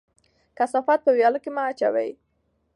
کثافات په ویاله کې مه اچوئ.